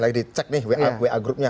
lagi dicek nih wa wa groupnya